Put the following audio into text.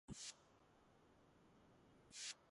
მასზე პრეტენზიას აცხადებს მადაგასკარი.